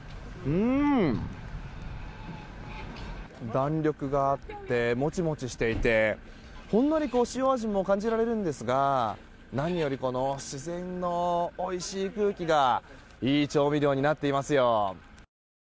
弾力があってもちもちしていてほんのり塩味も感じられるんですが何よりこの自然のおいしい空気がいい調味料になっていますよ。